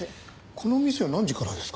この店は何時からですか？